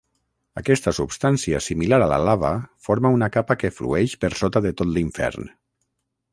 Aquesta substància similar a la lava forma una capa que flueix per sota de tot l'Infern.